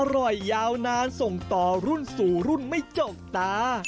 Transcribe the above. อร่อยยาวนานส่งต่อรุ่นสู่รุ่นไม่จกตา